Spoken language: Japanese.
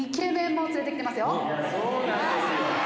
「そうなんですよ」